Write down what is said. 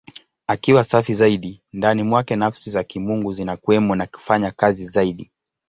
Akiwa safi zaidi, ndani mwake Nafsi za Kimungu zinakuwemo na kufanya kazi zaidi.